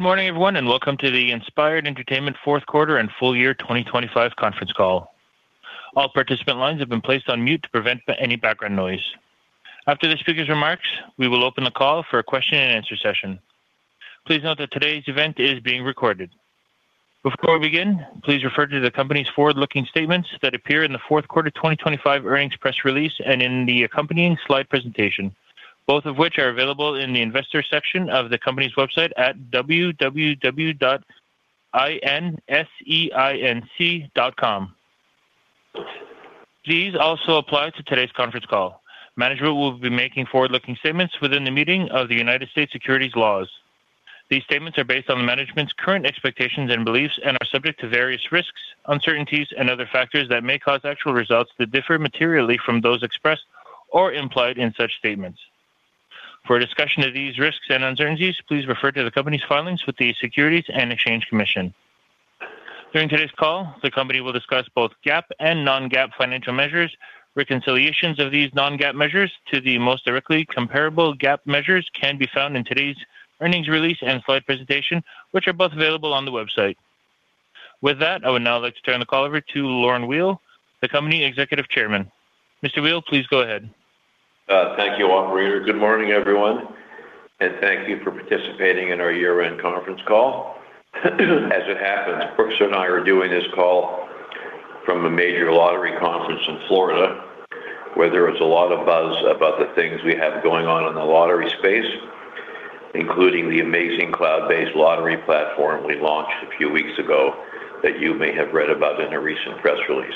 Good morning, everyone, and welcome to the Inspired Entertainment fourth quarter and full year 2025 conference call. All participant lines have been placed on mute to prevent any background noise. After the speaker's remarks, we will open the call for a question-and-answer session. Please note that today's event is being recorded. Before we begin, please refer to the company's forward-looking statements that appear in the fourth quarter 2025 earnings press release and in the accompanying slide presentation, both of which are available in the investor section of the company's website at www.inseinc.com. These also apply to today's conference call. Management will be making forward-looking statements within the meaning of the United States securities laws. These statements are based on the management's current expectations and beliefs and are subject to various risks, uncertainties, and other factors that may cause actual results to differ materially from those expressed or implied in such statements. For a discussion of these risks and uncertainties, please refer to the company's filings with the Securities and Exchange Commission. During today's call, the company will discuss both GAAP and non-GAAP financial measures. Reconciliations of these non-GAAP measures to the most directly comparable GAAP measures can be found in today's earnings release and slide presentation, which are both available on the website. With that, I would now like to turn the call over to Lorne Weil, the company's Executive Chairman. Mr. Weil, please go ahead. Thank you, operator. Good morning, everyone, and thank you for participating in our year-end conference call. As it happens, Brooks and I are doing this call from a major lottery conference in Florida, where there is a lot of buzz about the things we have going on in the lottery space, including the amazing cloud-based lottery platform we launched a few weeks ago that you may have read about in a recent press release.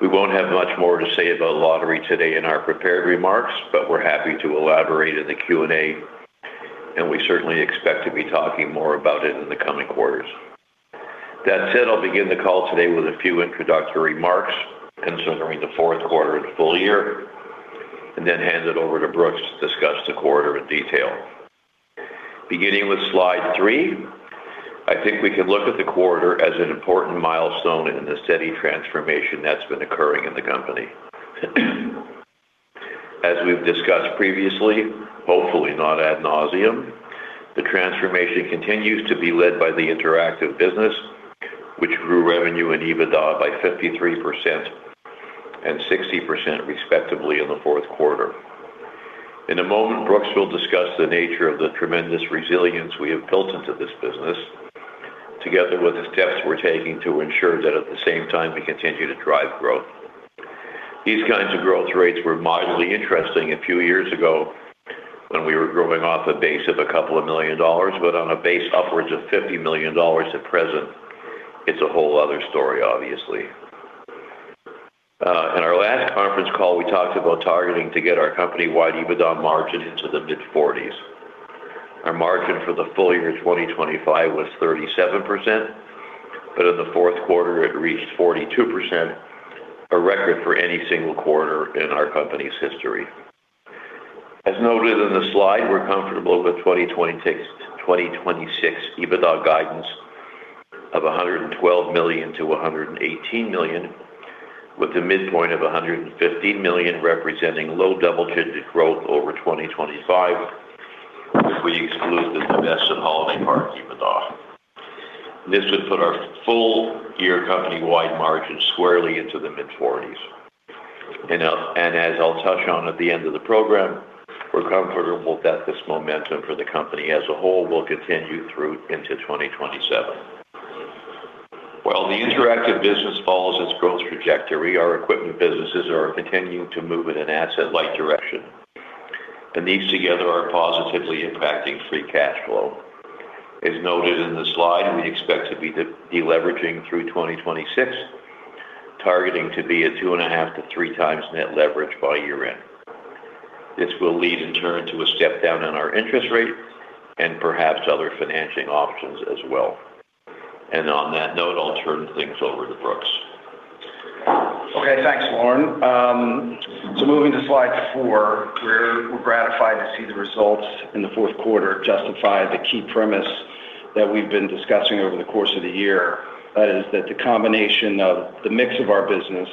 We won't have much more to say about lottery today in our prepared remarks, but we're happy to elaborate in the Q&A, and we certainly expect to be talking more about it in the coming quarters. That said, I'll begin the call today with a few introductory remarks considering the fourth quarter and full year and then hand it over to Brooks to discuss the quarter in detail. Beginning with slide three, I think we can look at the quarter as an important milestone in the steady transformation that's been occurring in the company. As we've discussed previously, hopefully not ad nauseam, the transformation continues to be led by the interactive business, which grew revenue and EBITDA by 53% and 60% respectively in the fourth quarter. In a moment, Brooks will discuss the nature of the tremendous resilience we have built into this business together with the steps we're taking to ensure that at the same time we continue to drive growth. These kinds of growth rates were moderately interesting a few years ago when we were growing off a base of a couple of $ million, but on a base upwards of $50 million at present, it's a whole other story, obviously. In our last conference call, we talked about targeting to get our company-wide EBITDA margin into the mid-40s. Our margin for the full year 2025 was 37%, but in the fourth quarter it reached 42%, a record for any single quarter in our company's history. As noted in the slide, we're comfortable with 2026 EBITDA guidance of $112 million-$118 million, with the midpoint of $115 million representing low double-digit growth over 2025 if we exclude the divestiture in Holiday Parks EBITDA. This would put our full-year company-wide margin squarely into the mid-40s. As I'll touch on at the end of the program, we're comfortable that this momentum for the company as a whole will continue through into 2027. While the interactive business follows its growth trajectory, our equipment businesses are continuing to move in an asset-light direction, and these together are positively impacting free cash flow. As noted in the slide, we expect to be de-leveraging through 2026, targeting to be at 2.5-3 times net leverage by year-end. This will lead in turn to a step-down on our interest rate and perhaps other financing options as well. On that note, I'll turn things over to Brooks. Okay, thanks, Lorne. Moving to slide four, we're gratified to see the results in the fourth quarter justify the key premise that we've been discussing over the course of the year. That is, the combination of the mix of our business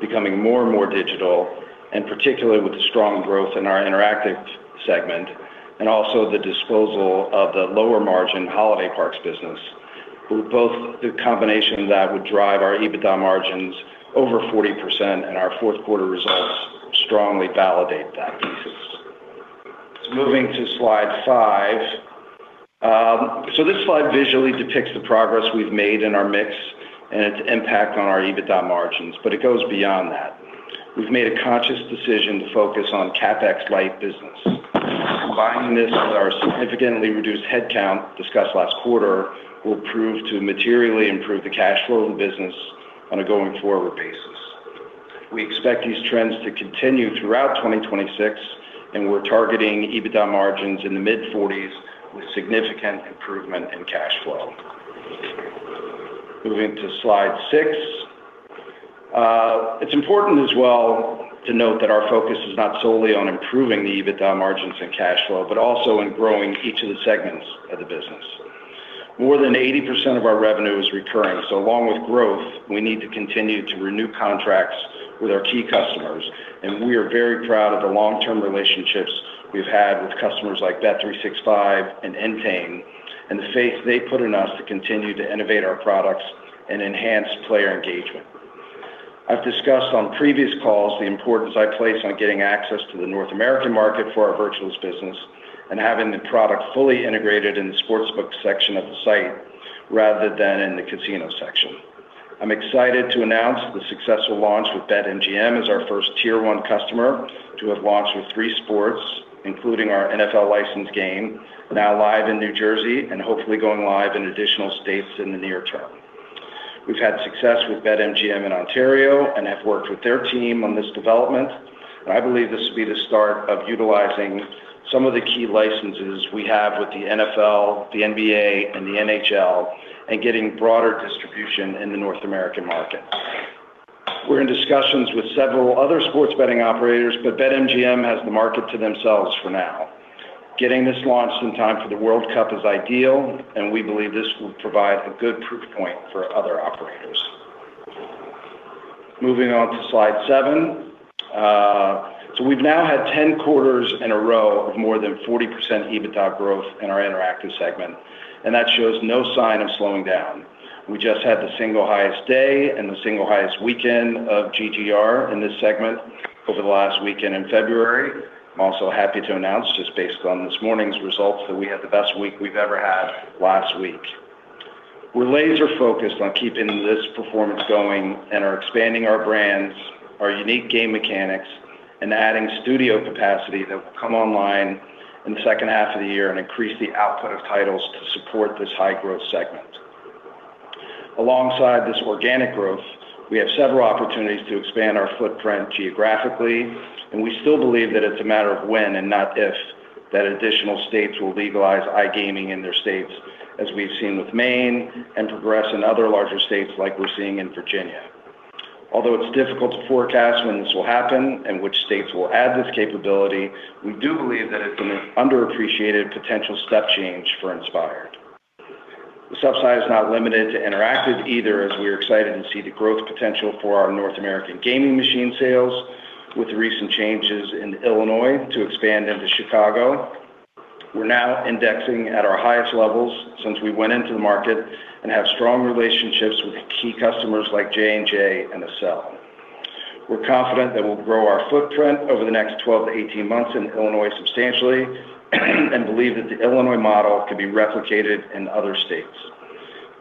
becoming more and more digital, and particularly with the strong growth in our interactive segment, and also the disposal of the lower-margin holiday parks business, would drive our EBITDA margins over 40%, and our fourth quarter results strongly validate that thesis. Moving to slide five. This slide visually depicts the progress we've made in our mix and its impact on our EBITDA margins, but it goes beyond that. We've made a conscious decision to focus on CapEx-light business. Combining this with our significantly reduced headcount discussed last quarter will prove to materially improve the cash flow of the business on a going-forward basis. We expect these trends to continue throughout 2026, and we're targeting EBITDA margins in the mid-40s% with significant improvement in cash flow. Moving to slide 6. It's important as well to note that our focus is not solely on improving the EBITDA margins and cash flow, but also in growing each of the segments of the business. More than 80% of our revenue is recurring. Along with growth, we need to continue to renew contracts with our key customers, and we are very proud of the long-term relationships we've had with customers like bet365 and Entain and the faith they put in us to continue to innovate our products and enhance player engagement. I've discussed on previous calls the importance I place on getting access to the North American market for our Virtuals business and having the product fully integrated in the sportsbook section of the site rather than in the casino section. I'm excited to announce the successful launch with BetMGM as our first tier one customer to have launched with three sports, including our NFL licensed game, now live in New Jersey and hopefully going live in additional states in the near term. We've had success with BetMGM in Ontario and have worked with their team on this development, and I believe this will be the start of utilizing some of the key licenses we have with the NFL, the NBA, and the NHL in getting broader distribution in the North American market. We're in discussions with several other sports betting operators, but BetMGM has the market to themselves for now. Getting this launched in time for the World Cup is ideal, and we believe this will provide a good proof point for other operators. Moving on to slide 7. We've now had 10 quarters in a row of more than 40% EBITDA growth in our Interactive segment, and that shows no sign of slowing down. We just had the single highest day and the single highest weekend of GGR in this segment over the last weekend in February. I'm also happy to announce, just based on this morning's results, that we had the best week we've ever had last week. We're laser-focused on keeping this performance going and are expanding our brands, our unique game mechanics, and adding studio capacity that will come online in the second half of the year and increase the output of titles to support this high-growth segment. Alongside this organic growth, we have several opportunities to expand our footprint geographically, and we still believe that it's a matter of when and not if that additional states will legalize iGaming in their states, as we've seen with Maine and progress in other larger states like we're seeing in Virginia. Although it's difficult to forecast when this will happen and which states will add this capability, we do believe that it's an underappreciated potential step change for Inspired. The upside is not limited to Interactive either, as we are excited to see the growth potential for our North American gaming machine sales with the recent changes in Illinois to expand into Chicago. We're now indexing at our highest levels since we went into the market and have strong relationships with key customers like J&J and Accel. We're confident that we'll grow our footprint over the next 12-18 months in Illinois substantially and believe that the Illinois model can be replicated in other states.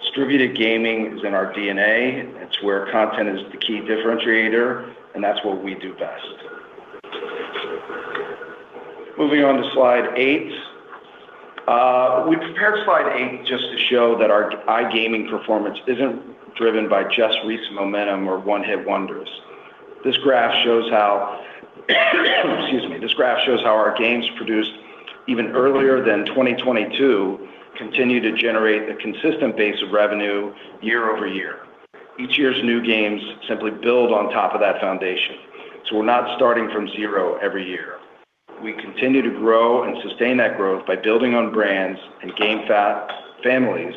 Distributed gaming is in our D&A. It's where content is the key differentiator, and that's what we do best. Moving on to slide 8. We prepared slide 8 just to show that our iGaming performance isn't driven by just recent momentum or one-hit wonders. This graph shows how our games produced even earlier than 2022 continue to generate a consistent base of revenue year over year. Each year's new games simply build on top of that foundation. We're not starting from zero every year. We continue to grow and sustain that growth by building on brands and game families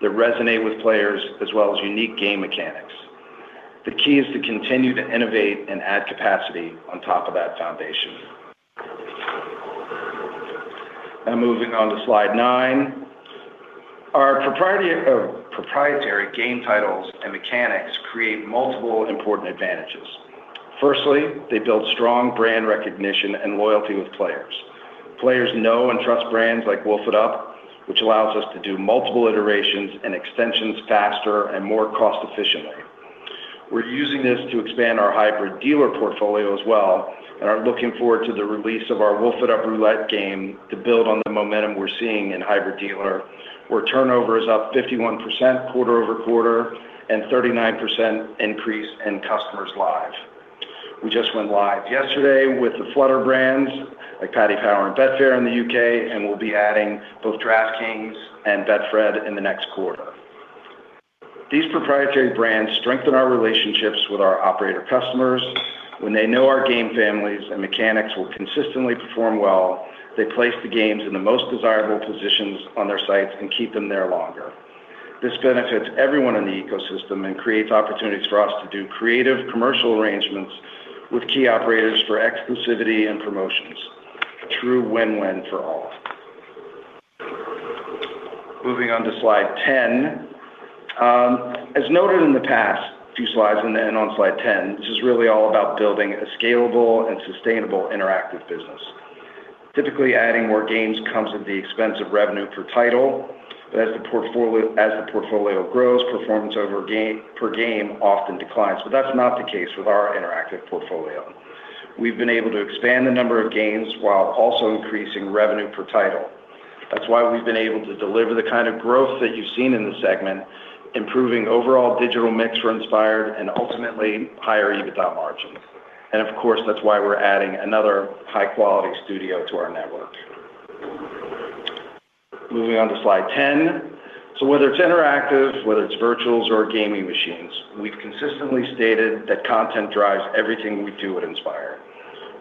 that resonate with players as well as unique game mechanics. The key is to continue to innovate and add capacity on top of that foundation. Moving on to slide 9. Our proprietary game titles and mechanics create multiple important advantages. Firstly, they build strong brand recognition and loyalty with players. Players know and trust brands like Wolf It Up, which allows us to do multiple iterations and extensions faster and more cost-efficiently. We're using this to expand our Hybrid Dealer portfolio as well and are looking forward to the release of our Wolf It Up Roulette game to build on the momentum we're seeing in Hybrid Dealer, where turnover is up 51% quarter-over-quarter and 39% increase in customers live. We just went live yesterday with the Flutter brands like Paddy Power and Betfair in the UK, and we'll be adding both DraftKings and Betfred in the next quarter. These proprietary brands strengthen our relationships with our operator customers. When they know our game families and mechanics will consistently perform well, they place the games in the most desirable positions on their sites and keep them there longer. This benefits everyone in the ecosystem and creates opportunities for us to do creative commercial arrangements with key operators for exclusivity and promotions. A true win-win for all. Moving on to slide ten. As noted in the past few slides and then on slide ten, this is really all about building a scalable and sustainable Interactive business. Typically, adding more games comes at the expense of revenue per title. As the portfolio grows, performance per game often declines, but that's not the case with our Interactive portfolio. We've been able to expand the number of games while also increasing revenue per title. That's why we've been able to deliver the kind of growth that you've seen in the segment, improving overall digital mix for Inspired and ultimately higher EBITDA margins. Of course, that's why we're adding another high-quality studio to our network. Moving on to slide 10. Whether it's Interactive, whether it's Virtuals or gaming machines, we've consistently stated that content drives everything we do at Inspired.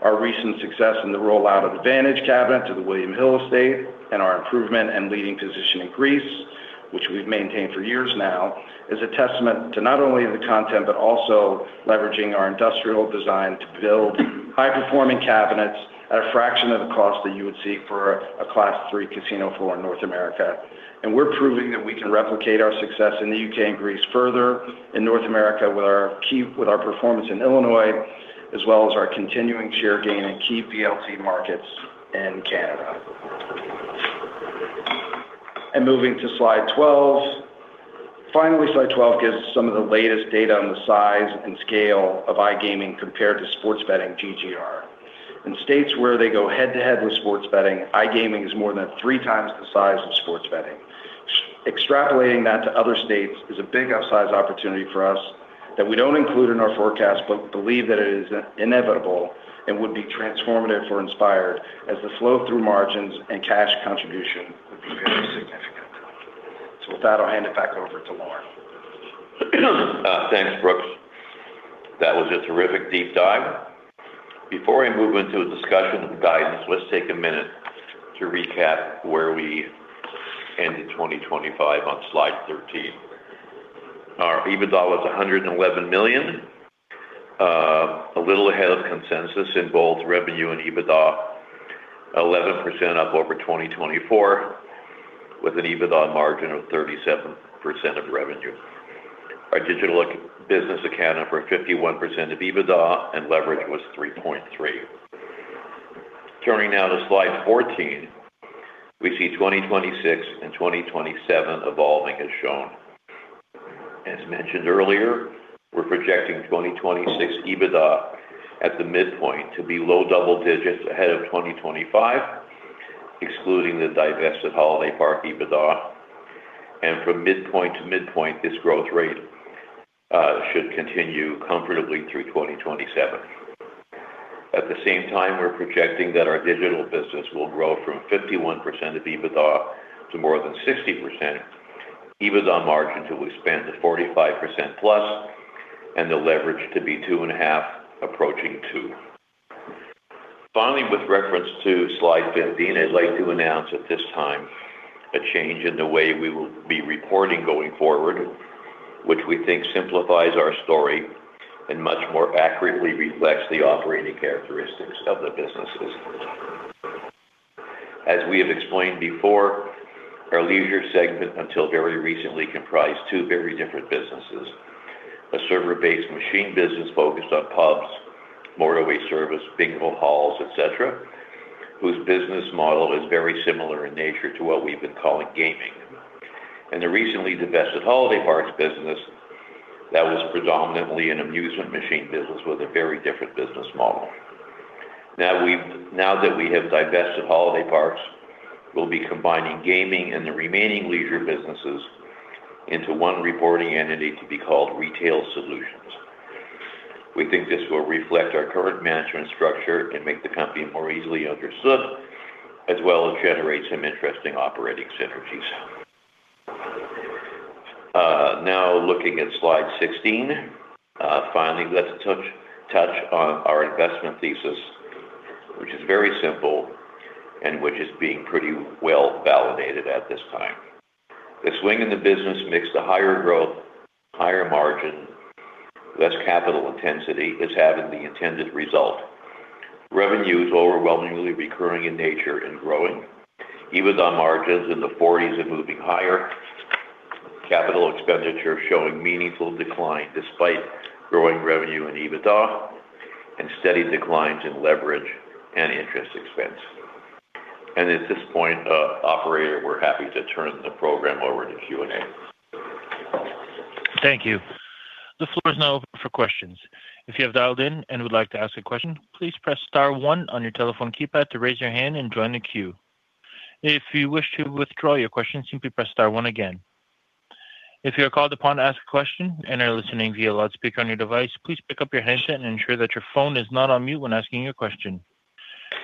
Our recent success in the rollout of Vantage cabinet to the William Hill estate and our improvement and leading position in Greece, which we've maintained for years now, is a testament to not only the content, but also leveraging our industrial design to build high-performing cabinets at a fraction of the cost that you would see for a Class III casino floor in North America. We're proving that we can replicate our success in the UK and Greece further in North America with our performance in Illinois, as well as our continuing share gain in key VLT markets in Canada. Moving to slide 12. Finally, slide 12 gives some of the latest data on the size and scale of iGaming compared to sports betting GGR. In states where they go head-to-head with sports betting, iGaming is more than three times the size of sports betting. Extrapolating that to other states is a big outsized opportunity for us that we don't include in our forecast, but believe that it is inevitable and would be transformative for Inspired as the flow-through margins and cash contribution would be very significant. With that, I'll hand it back over to Lorne. Thanks, Brooks. That was a terrific deep dive. Before I move into a discussion of the guidance, let's take a minute to recap where we ended 2025 on slide 13. Our EBITDA was $111 million, a little ahead of consensus in both revenue and EBITDA, 11% up over 2024, with an EBITDA margin of 37% of revenue. Our digital business accounted for 51% of EBITDA and leverage was 3.3. Turning now to slide 14, we see 2026 and 2027 evolving as shown. As mentioned earlier, we're projecting 2026 EBITDA at the midpoint to be low double digits ahead of 2025, excluding the divested holiday parks EBITDA. From midpoint to midpoint, this growth rate should continue comfortably through 2027. At the same time, we're projecting that our digital business will grow from 51% of EBITDA to more than 60%. EBITDA margin to expand to 45%+, and the leverage to be 2.5 approaching 2. Finally, with reference to slide 15, I'd like to announce at this time a change in the way we will be reporting going forward, which we think simplifies our story and much more accurately reflects the operating characteristics of the businesses. As we have explained before, our leisure segment, until very recently, comprised two very different businesses. A server-based machine business focused on pubs, motorway service, bingo halls, et cetera, whose business model is very similar in nature to what we've been calling gaming. The recently divested holiday parks business that was predominantly an amusement machine business with a very different business model. Now that we have divested Holiday Parks, we'll be combining gaming and the remaining leisure businesses into one reporting entity to be called Retail Solutions. We think this will reflect our current management structure and make the company more easily understood, as well as generate some interesting operating synergies. Now looking at slide 16. Finally, let's touch on our investment thesis, which is very simple and which is being pretty well validated at this time. The swing in the business mix to higher growth, higher margin, less capital intensity is having the intended result. Revenue is overwhelmingly recurring in nature and growing. EBITDA margins in the forties and moving higher. Capital expenditure showing meaningful decline despite growing revenue and EBITDA, and steady declines in leverage and interest expense. At this point, operator, we're happy to turn the program over to Q&A. Thank you. The floor is now open for questions. If you have dialed in and would like to ask a question, please press star one on your telephone keypad to raise your hand and join the queue. If you wish to withdraw your question, simply press star one again. If you are called upon to ask a question and are listening via loudspeaker on your device, please pick up your handset and ensure that your phone is not on mute when asking your question.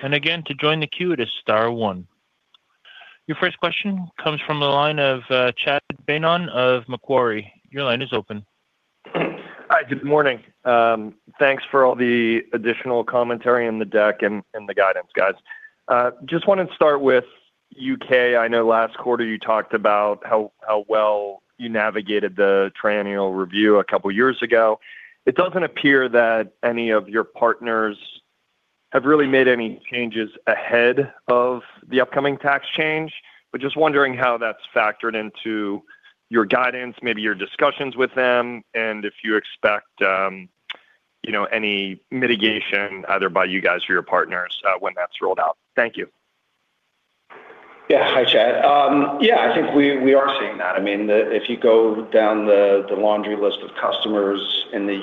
Again, to join the queue, it is star one. Your first question comes from the line of Chad C. Beynon of Macquarie. Your line is open. Hi, good morning. Thanks for all the additional commentary on the deck and the guidance, guys. Just wanted to start with UK. I know last quarter you talked about how well you navigated the triennial review a couple of years ago. It doesn't appear that any of your partners have really made any changes ahead of the upcoming tax change, but just wondering how that's factored into your guidance, maybe your discussions with them, and if you expect you know, any mitigation either by you guys or your partners when that's rolled out. Thank you. Yeah. Hi, Chad. Yeah, I think we are seeing that. I mean, if you go down the laundry list of customers in the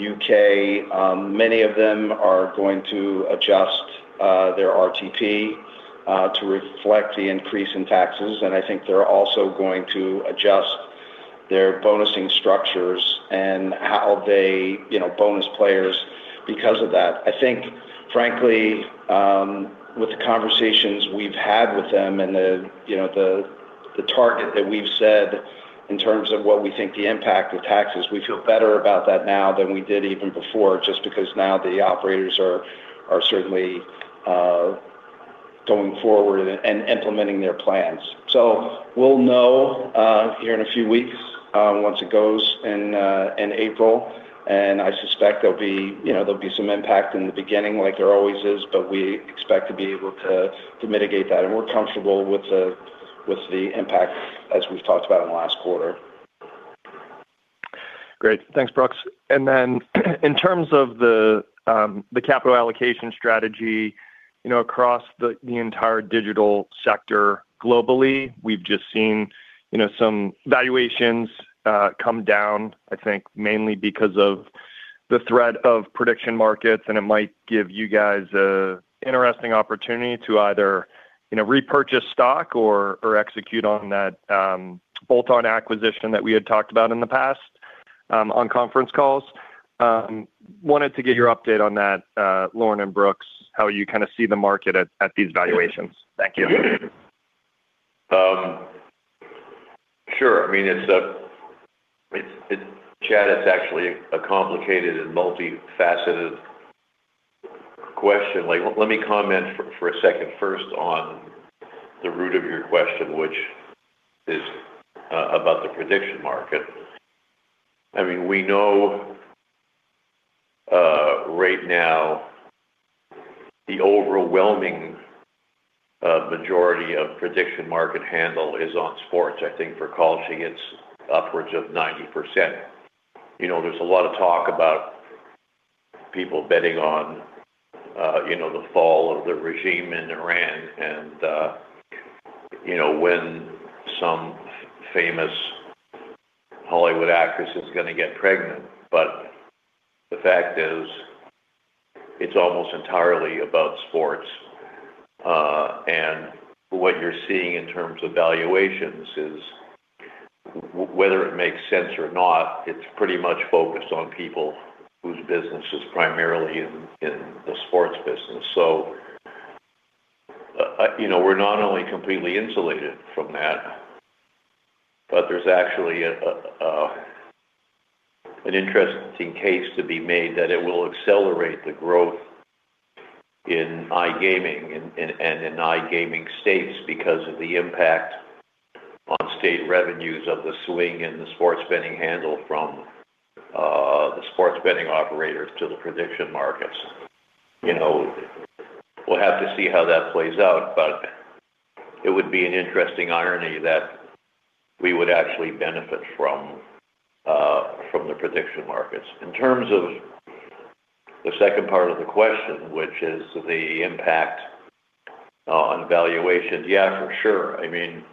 UK, many of them are going to adjust their RTP to reflect the increase in taxes, and I think they're also going to adjust their bonusing structures and how they bonus players because of that. I think, frankly, with the conversations we've had with them and the, you know, the target that we've said in terms of what we think the impact of taxes, we feel better about that now than we did even before, just because now the operators are certainly going forward and implementing their plans. We'll know here in a few weeks once it goes in in April. I suspect there'll be, you know, some impact in the beginning like there always is, but we expect to be able to mitigate that. We're comfortable with the impact as we've talked about in the last quarter. Great. Thanks, Brooks. Then in terms of the capital allocation strategy, you know, across the entire digital sector globally, we've just seen, you know, some valuations come down, I think, mainly because of the threat of prediction markets, and it might give you guys an interesting opportunity to either, you know, repurchase stock or execute on that bolt-on acquisition that we had talked about in the past on conference calls. Wanted to get your update on that, Lorne and Brooks, how you kind of see the market at these valuations. Thank you. Sure. I mean, it's Chad, it's actually a complicated and multifaceted question. Like, let me comment for a second first on the root of your question, which is about the prediction market. I mean, we know right now the overwhelming majority of prediction market handle is on sports. I think for calls, I think it's upwards of 90%. You know, there's a lot of talk about people betting on, you know, the fall of the regime in Iran and, you know, when some famous Hollywood actress is going to get pregnant. The fact is, it's almost entirely about sports. What you're seeing in terms of valuations is whether it makes sense or not, it's pretty much focused on people whose business is primarily in the sports business. You know, we're not only completely insulated from that, but there's actually an interesting case to be made that it will accelerate the growth in iGaming and in iGaming states because of the impact on state revenues of the swing and the sports betting handle from the sports betting operators to the prediction markets. You know, we'll have to see how that plays out, but it would be an interesting irony that we would actually benefit from the prediction markets. In terms of the second part of the question, which is the impact on valuations. Yeah, for sure. I mean,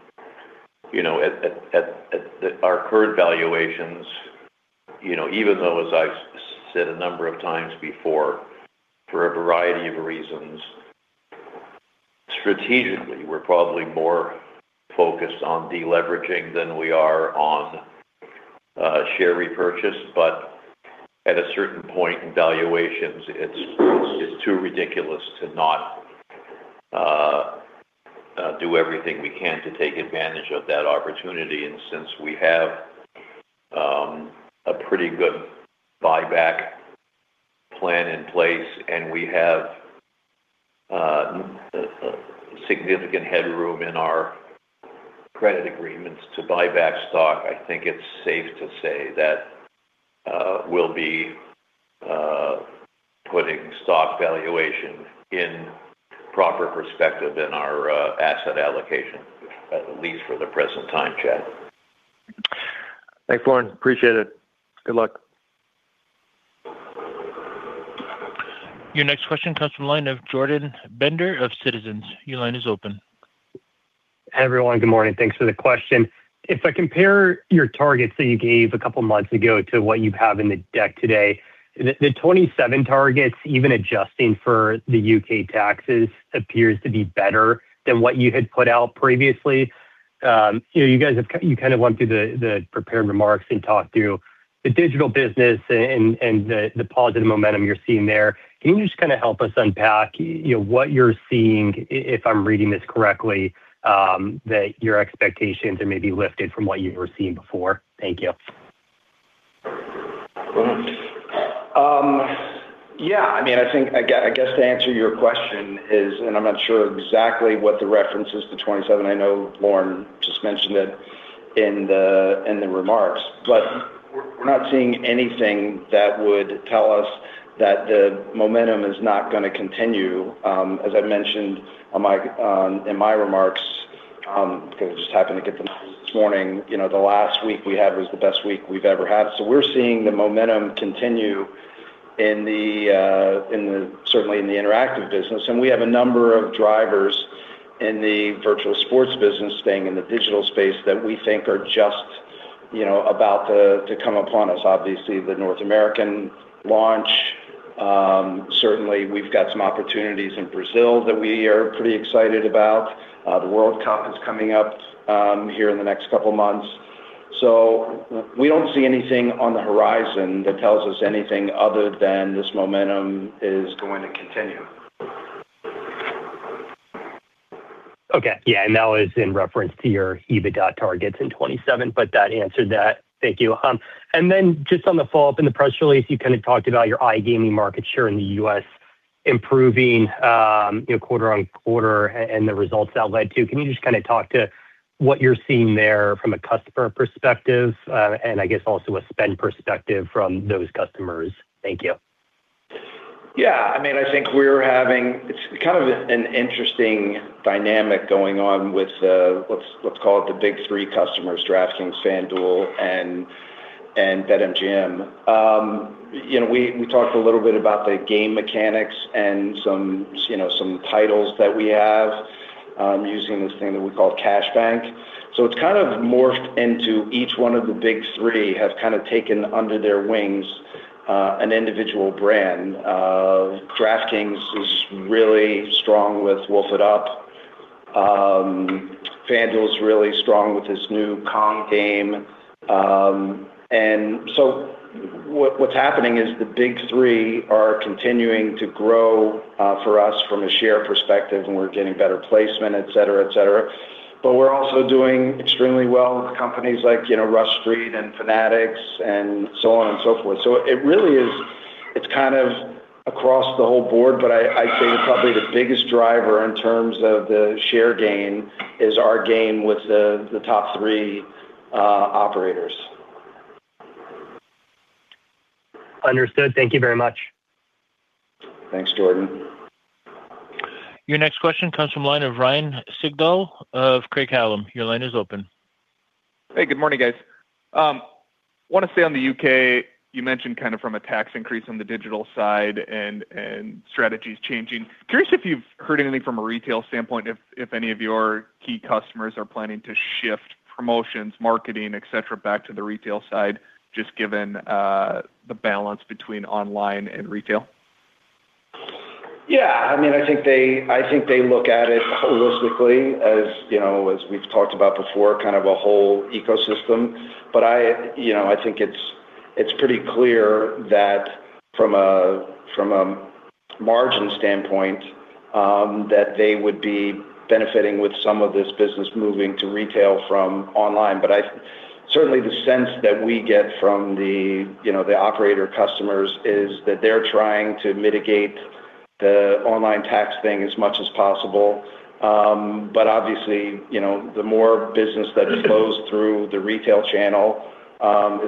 you know, at our current valuations, you know, even though, as I said a number of times before, for a variety of reasons, strategically, we're probably more focused on deleveraging than we are on share repurchase. At a certain point in valuations, it's too ridiculous to not do everything we can to take advantage of that opportunity. Since we have a pretty good buyback plan in place, and we have a significant headroom in our credit agreements to buy back stock, I think it's safe to say that we'll be putting stock valuation in proper perspective in our asset allocation, at least for the present time, Chad. Thanks, Lorne. Appreciate it. Good luck. Your next question comes from the line of Jordan Bender of Citizens JMP. Your line is open. Everyone, good morning. Thanks for the question. If I compare your targets that you gave a couple of months ago to what you have in the deck today, the 27 targets, even adjusting for the UK. Taxes, appears to be better than what you had put out previously. You know, you guys have you kind of went through the prepared remarks and talked through the digital business and the positive momentum you're seeing there. Can you just kind of help us unpack, you know, what you're seeing, if I'm reading this correctly, that your expectations are maybe lifted from what you were seeing before? Thank you. I mean, I think I guess to answer your question is, and I'm not sure exactly what the reference is to 27. I know Lorne just mentioned it in the remarks. We're not seeing anything that would tell us that the momentum is not gonna continue. As I mentioned in my remarks, because I just happened to get them this morning, you know, the last week we had was the best week we've ever had. We're seeing the momentum continue certainly in the interactive business. We have a number of drivers in the Virtual Sports business staying in the digital space that we think are just, you know, about to come upon us. Obviously, the North American launch. Certainly, we've got some opportunities in Brazil that we are pretty excited about. The World Cup is coming up here in the next couple of months. We don't see anything on the horizon that tells us anything other than this momentum is going to continue. Okay. Yeah, that was in reference to your EBITDA targets in 2027, but that answered that. Thank you. And then just on the follow-up, in the press release, you kind of talked about your iGaming market share in the U.S. improving, you know, quarter-over-quarter and the results that led to. Can you just kind of talk to what you're seeing there from a customer perspective, and I guess also a spend perspective from those customers? Thank you. Yeah, I mean, it's kind of an interesting dynamic going on with what's called the big three customers, DraftKings, FanDuel, and BetMGM. You know, we talked a little bit about the game mechanics and some, you know, some titles that we have using this thing that we call CashBank. So it's kind of morphed into each one of the big three have kind of taken under their wings an individual brand. DraftKings is really strong with Wolf It Up!. FanDuel is really strong with this new Kong It Up!. And so what's happening is the big three are continuing to grow for us from a share perspective, and we're getting better placement, et cetera, et cetera. We're also doing extremely well with companies like, you know, Rush Street Interactive and Fanatics and so on and so forth. It really is. It's kind of across the whole board, but I'd say probably the biggest driver in terms of the share gain is our game with the top three operators. Understood. Thank you very much. Thanks, Jordan. Your next question comes from the line of Ryan Sigdahl of Craig-Hallum. Your line is open. Hey, good morning, guys. Want to say on the UK, you mentioned kind of from a tax increase on the digital side and strategies changing. Curious if you've heard anything from a retail standpoint if any of your key customers are planning to shift promotions, marketing, et cetera, back to the retail side, just given the balance between online and retail. Yeah, I mean, I think they look at it holistically, as you know, as we've talked about before, kind of a whole ecosystem. I, you know, I think it's pretty clear that from a margin standpoint, that they would be benefiting with some of this business moving to retail from online. Certainly the sense that we get from the, you know, the operator customers is that they're trying to mitigate the online tax thing as much as possible. Obviously, you know, the more business that flows through the retail channel,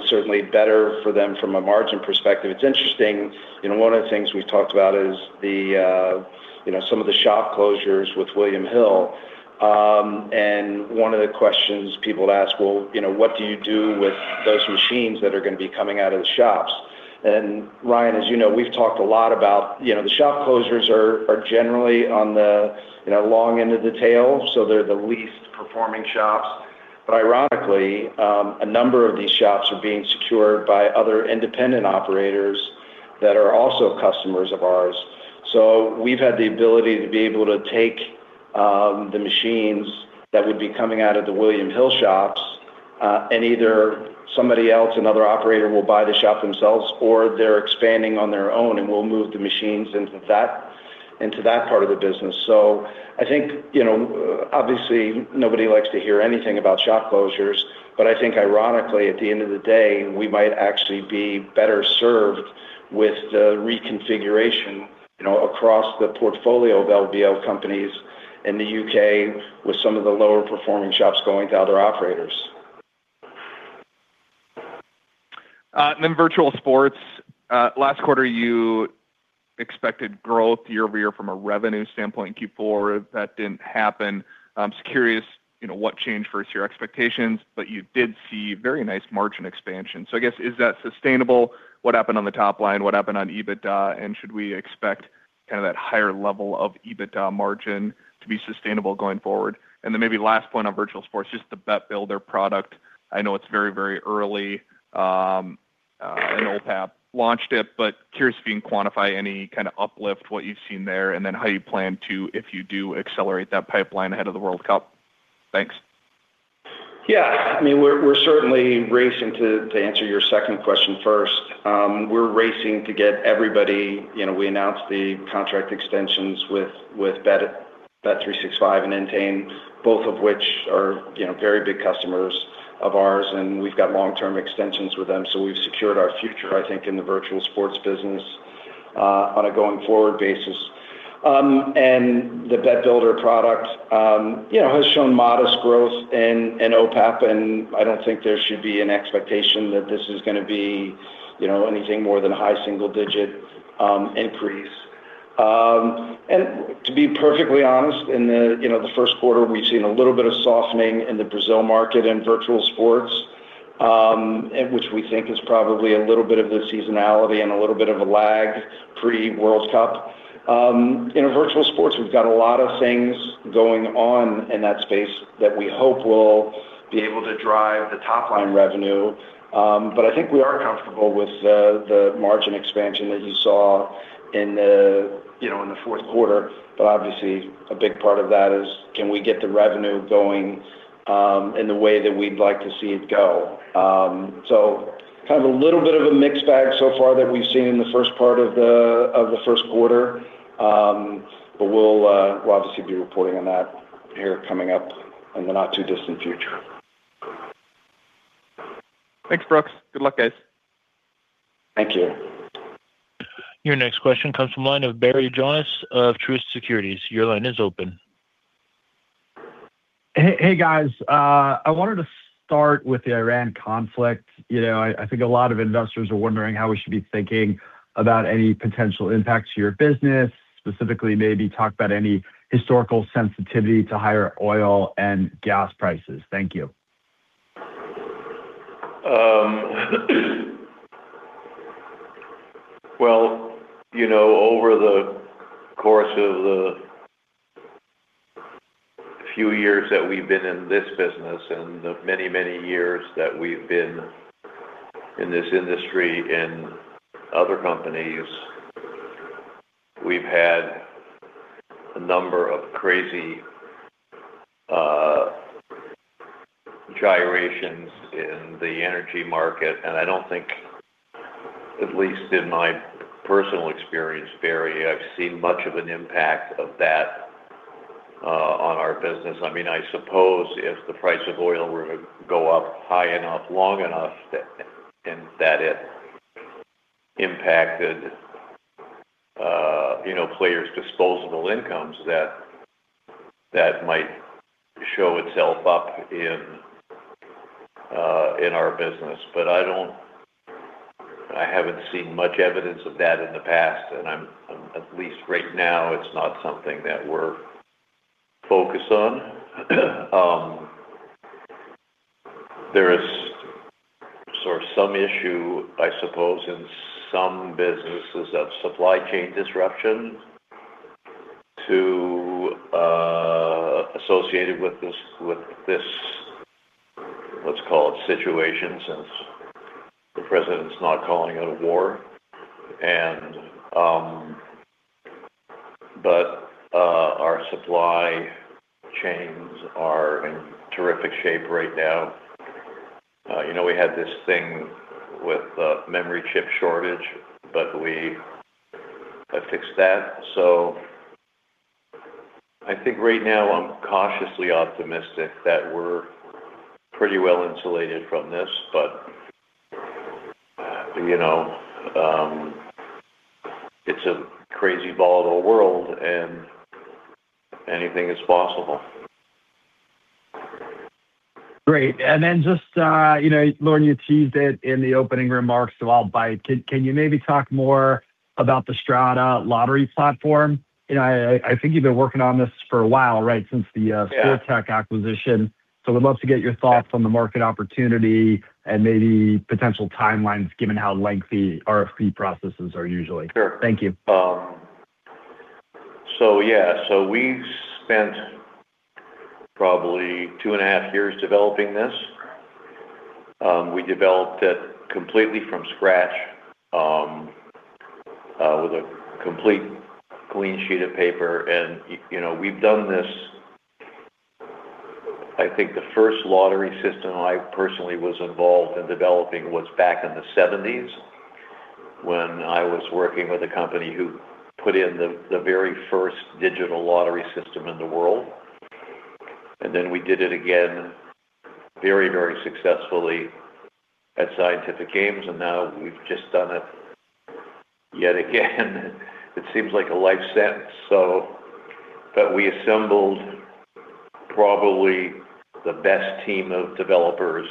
is certainly better for them from a margin perspective. It's interesting, you know, one of the things we've talked about is the, you know, some of the shop closures with William Hill. One of the questions people ask, "Well, you know, what do you do with those machines that are gonna be coming out of the shops?" Ryan, as you know, we've talked a lot about, you know, the shop closures are generally on the, you know, long end of the tail. So they're the least performing shops. But ironically, a number of these shops are being secured by other independent operators that are also customers of ours. So we've had the ability to be able to take the machines that would be coming out of the William Hill shops, and either somebody else, another operator will buy the shop themselves or they're expanding on their own, and we'll move the machines into that part of the business. I think, you know, obviously, nobody likes to hear anything about shop closures, but I think ironically, at the end of the day, we might actually be better served with the reconfiguration, you know, across the portfolio of LBO companies in the UK with some of the lower performing shops going to other operators. Virtual Sports, last quarter, you expected growth year-over-year from a revenue standpoint in Q4. That didn't happen. I'm just curious, you know, what changed versus your expectations, but you did see very nice margin expansion. I guess, is that sustainable? What happened on the top line? What happened on EBITDA? And should we expect kind of that higher level of EBITDA margin to be sustainable going forward? And then maybe last point on Virtual Sports, just the Bet Builder product. I know it's very, very early, and OPAP launched it, but curious if you can quantify any kind of uplift, what you've seen there, and then how you plan to if you do accelerate that pipeline ahead of the World Cup. Thanks. Yeah. I mean, we're certainly racing to answer your second question first. We're racing to get everybody, you know, we announced the contract extensions with bet365 and Entain, both of which are, you know, very big customers of ours, and we've got long-term extensions with them. We've secured our future, I think, in the Virtual Sports business on a going forward basis. The Bet Builder product, you know, has shown modest growth in OPAP, and I don't think there should be an expectation that this is gonna be, you know, anything more than a high single-digit increase. To be perfectly honest, in the, you know, the first quarter, we've seen a little bit of softening in the Brazil market in Virtual Sports, and which we think is probably a little bit of the seasonality and a little bit of a lag pre-World Cup. In Virtual Sports, we've got a lot of things going on in that space that we hope will be able to drive the top-line revenue. I think we are comfortable with the margin expansion that you saw in the, you know, in the fourth quarter. Obviously, a big part of that is can we get the revenue going, in the way that we'd like to see it go. Kind of a little bit of a mixed bag so far that we've seen in the first part of the first quarter. We'll obviously be reporting on that here coming up in the not-too-distant future. Thanks, Brooks. Good luck, guys. Thank you. Your next question comes from the line of Barry Jonas of Truist Securities. Your line is open. Hey, guys. I wanted to start with the Iran conflict. You know, I think a lot of investors are wondering how we should be thinking about any potential impacts to your business. Specifically, maybe talk about any historical sensitivity to higher oil and gas prices. Thank you. Well, you know, over the course of the few years that we've been in this business and the many, many years that we've been in this industry in other companies, we've had a number of crazy gyrations in the energy market, and I don't think, at least in my personal experience, Barry, I've seen much of an impact of that on our business. I mean, I suppose if the price of oil were to go up high enough, long enough that and that it impacted you know, players' disposable incomes, that might show itself up in in our business. But I don't I haven't seen much evidence of that in the past, and I'm at least right now, it's not something that we're focused on. There is sort of some issue, I suppose, in some businesses of supply chain disruption associated with this, let's call it a situation since the president's not calling it a war. Our supply chains are in terrific shape right now. You know, we had this thing with a memory chip shortage, but we have fixed that. I think right now I'm cautiously optimistic that we're pretty well insulated from this. You know, it's a crazy volatile world and anything is possible. Great. Just, you know, Lorne, you teased it in the opening remarks, so I'll bite. Can you maybe talk more about the Strata lottery platform? You know, I think you've been working on this for a while, right? Yeah. Skill-Tech acquisition. We'd love to get your thoughts on the market opportunity and maybe potential timelines given how lengthy RFP processes are usually. Sure. Thank you. Yeah. We've spent probably two and a half years developing this. We developed it completely from scratch with a complete clean sheet of paper. You know, we've done this. I think the first lottery system I personally was involved in developing was back in the seventies when I was working with a company who put in the very first digital lottery system in the world. We did it again very, very successfully at Scientific Games, and now we've just done it yet again. It seems like a life sentence. We assembled probably the best team of developers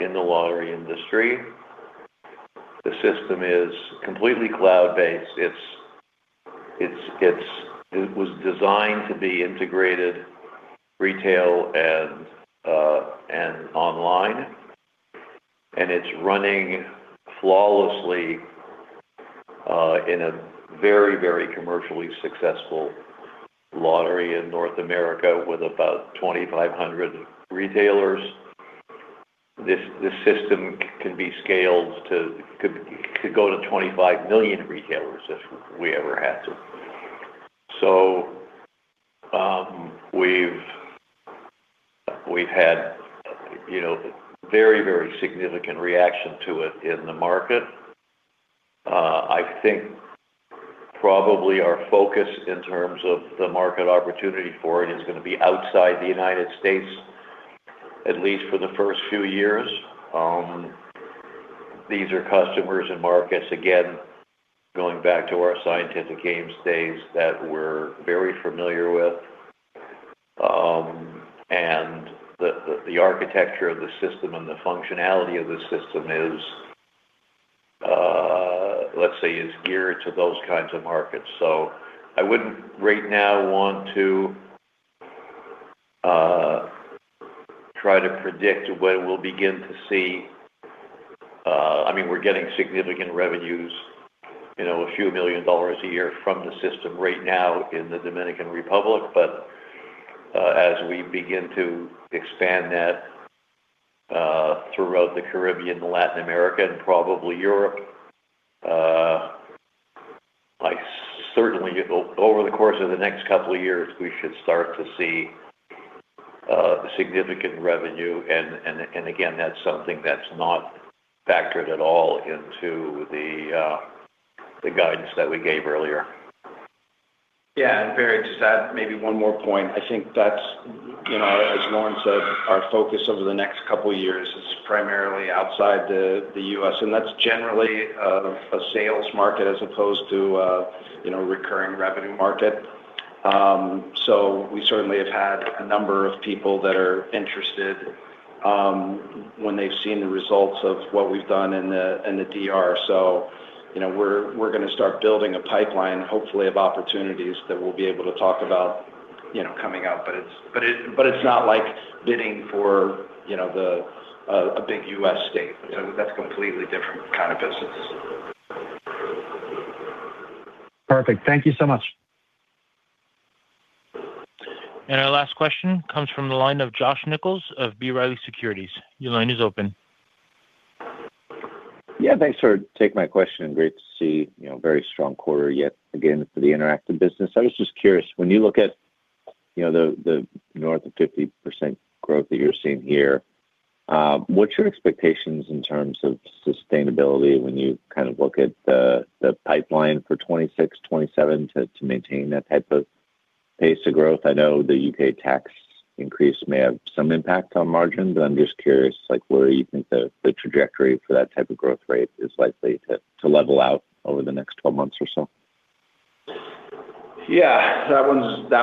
in the lottery industry. The system is completely cloud-based. It was designed to be integrated retail and online, and it's running flawlessly in a very commercially successful lottery in North America with about 2,500 retailers. This system could go to 25 million retailers if we ever had to. We've had, you know, very significant reaction to it in the market. I think probably our focus in terms of the market opportunity for it is gonna be outside the United States, at least for the first few years. These are customers and markets, again, going back to our Scientific Games days that we're very familiar with. The architecture of the system and the functionality of the system is, let's say, geared to those kinds of markets. I wouldn't right now want to try to predict when we'll begin to see. I mean, we're getting significant revenues, you know, $ a few million a year from the system right now in the Dominican Republic. But as we begin to expand that throughout the Caribbean, Latin America, and probably Europe, I certainly, over the course of the next couple of years, we should start to see significant revenue and again, that's something that's not factored at all into the guidance that we gave earlier. Yeah. Barry, just to add maybe one more point. I think that's, you know, as Lorne said, our focus over the next couple of years is primarily outside the U.S., and that's generally a sales market as opposed to, you know, recurring revenue market. We certainly have had a number of people that are interested when they've seen the results of what we've done in the DR. You know, we're gonna start building a pipeline, hopefully of opportunities that we'll be able to talk about, you know, coming up. But it's not like bidding for, you know, a big U.S. state. That's a completely different kind of business. Perfect. Thank you so much. Our last question comes from the line of Josh Nichols of B. Riley Securities. Your line is open. Yeah. Thanks for taking my question. Great to see, you know, very strong quarter yet again for the interactive business. I was just curious, when you look at, you know, the north of 50% growth that you're seeing here, what's your expectations in terms of sustainability when you kind of look at the pipeline for 2026, 2027 to maintain that type of pace of growth? I know the UK tax increase may have some impact on margins, but I'm just curious, like, where you think the trajectory for that type of growth rate is likely to level out over the next 12 months or so. Yeah, that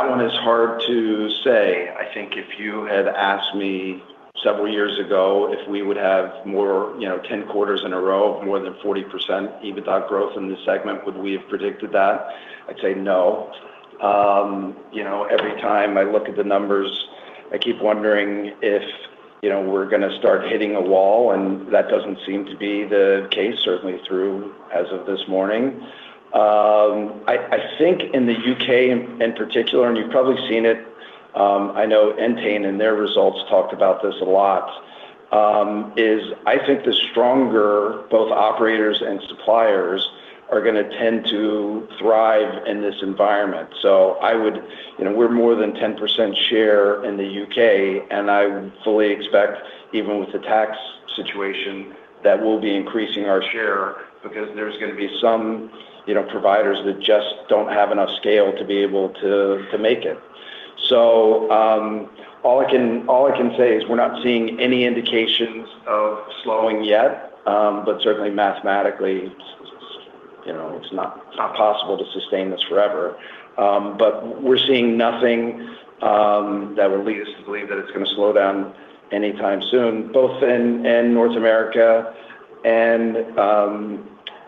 one is hard to say. I think if you had asked me several years ago if we would have more, you know, 10 quarters in a row of more than 40% EBITDA growth in this segment, would we have predicted that? I'd say no. You know, every time I look at the numbers, I keep wondering if, you know, we're gonna start hitting a wall, and that doesn't seem to be the case, certainly through as of this morning. I think in the UK in particular, and you've probably seen it, I know Entain in their results talked about this a lot, is I think the stronger both operators and suppliers are gonna tend to thrive in this environment. I would. You know, we're more than 10% share in the UK, and I fully expect, even with the tax situation, that we'll be increasing our share because there's gonna be some, you know, providers that just don't have enough scale to be able to make it. All I can say is we're not seeing any indications of slowing yet. But certainly mathematically, you know, it's not possible to sustain this forever. But we're seeing nothing that would lead us to believe that it's gonna slow down anytime soon, both in North America and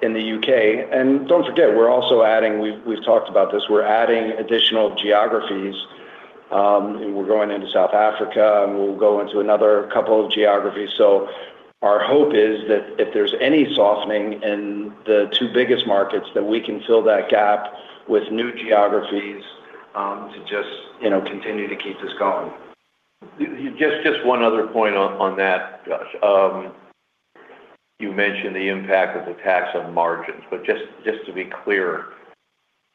in the UK. Don't forget, we're also adding. We've talked about this, we're adding additional geographies. We're going into South Africa, and we'll go into another couple of geographies. Our hope is that if there's any softening in the two biggest markets, that we can fill that gap with new geographies, to just, you know, continue to keep this going. Just one other point on that, Josh. You mentioned the impact of the tax on margins, but just to be clear,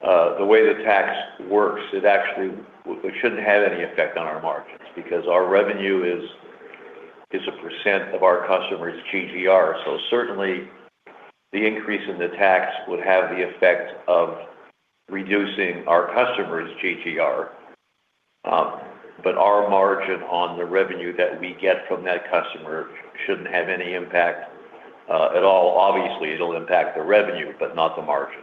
the way the tax works, it actually we shouldn't have any effect on our margins because our revenue is a % of our customers' GGR. Certainly the increase in the tax would have the effect of reducing our customers' GGR, but our margin on the revenue that we get from that customer shouldn't have any impact at all. Obviously, it'll impact the revenue, but not the margin.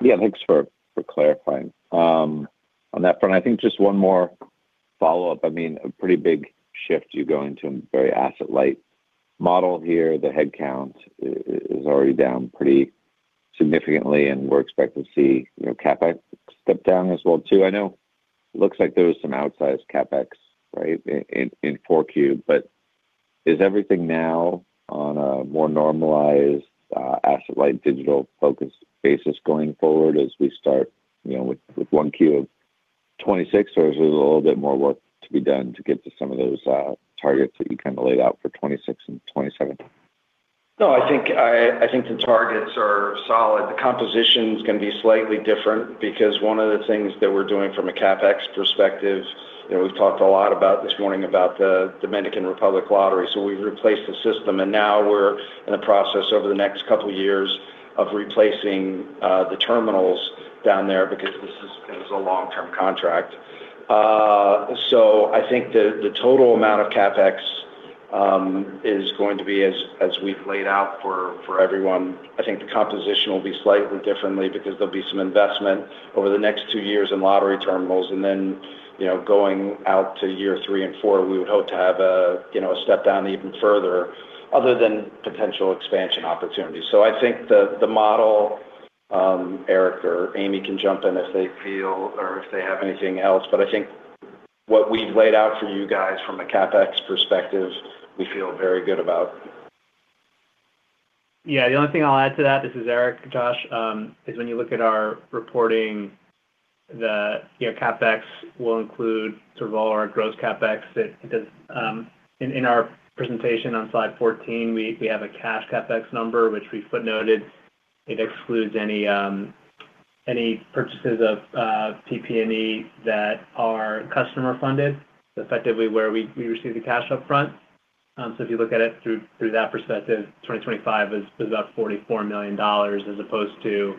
Yeah, thanks for clarifying. On that front, I think just one more follow-up. I mean, a pretty big shift. You go into a very asset-light model here. The headcount is already down pretty significantly, and we're expecting to see, you know, CapEx step down as well too. I know it looks like there was some outsized CapEx, right, in 4Q. Is everything now on a more normalized, asset-light, digital-focused basis going forward as we start, you know, with 1Q of 2026? Or is there a little bit more work to be done to get to some of those targets that you kind of laid out for 2026 and 2027? No, I think the targets are solid. The composition's gonna be slightly different because one of the things that we're doing from a CapEx perspective, you know, we've talked a lot about this morning about the Dominican Republic lottery. We've replaced the system, and now we're in the process over the next couple of years of replacing the terminals down there because this is a long-term contract. I think the total amount of CapEx is going to be as we've laid out for everyone. I think the composition will be slightly differently because there'll be some investment over the next two years in lottery terminals and then. You know, going out to year three and four, we would hope to have a, you know, a step down even further other than potential expansion opportunities. I think the model, Eric or Amy can jump in if they feel or if they have anything else, but I think what we've laid out for you guys from a CapEx perspective, we feel very good about. Yeah. The only thing I'll add to that, this is Eric, Josh, is when you look at our reporting, the, you know, CapEx will include sort of all our gross CapEx. It. In our presentation on slide 14, we have a cash CapEx number, which we footnoted. It excludes any purchases of PP&E that are customer funded, effectively where we receive the cash up front. So if you look at it through that perspective, 2025 is about $44 million as opposed to,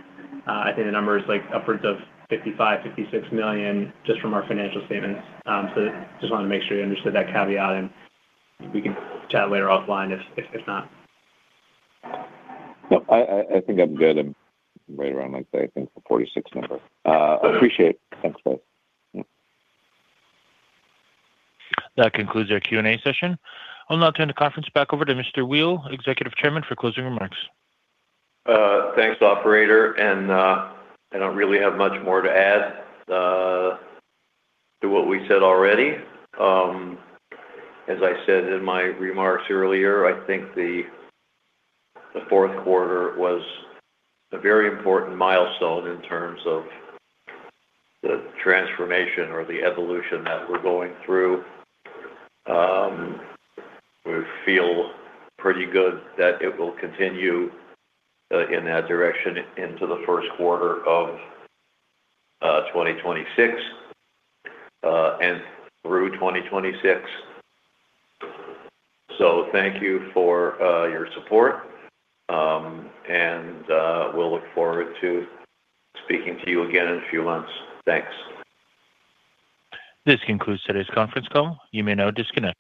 I think the number is, like, upwards of $55-$56 million just from our financial statements. So just wanted to make sure you understood that caveat, and we can chat later offline if not. No, I think I'm good. I'm right around, like, I think the 46 number. Appreciate it. Thanks, both. That concludes our Q&A session. I'll now turn the conference back over to Mr. Weil, Executive Chairman, for closing remarks. Thanks, operator. I don't really have much more to add to what we said already. As I said in my remarks earlier, I think the fourth quarter was a very important milestone in terms of the transformation or the evolution that we're going through. We feel pretty good that it will continue in that direction into the first quarter of 2026 and through 2026. Thank you for your support. We'll look forward to speaking to you again in a few months. Thanks. This concludes today's conference call. You may now disconnect.